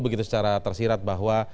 begitu secara tersirat bahwa